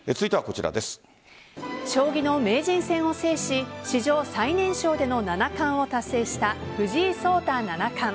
将棋の名人戦を制し史上最年少での七冠を達成した藤井聡太七冠。